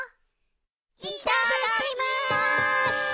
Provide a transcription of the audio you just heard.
いただきます！